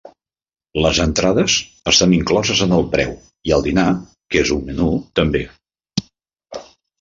Les entrades, estan incloses en el preu, i el dinar, que és un menú, també.